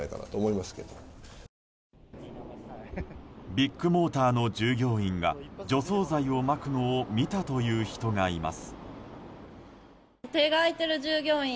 ビッグモーターの従業員が除草剤をまくのを見たという人がいます。